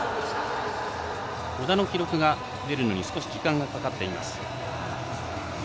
小田の記録が出るのに少し時間がかかっています。